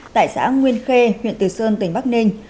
tại xã nguyên khê huyện từ sơn tỉnh bắc ninh